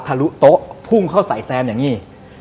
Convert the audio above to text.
ลุโต๊ะพุ่งเข้าใส่แซมอย่างนี้